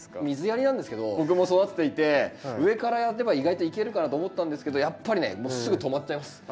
水やりなんですけど僕も育てていて上からやれば意外といけるかなと思ったんですけどやっぱりねもうすぐ止まっちゃいます。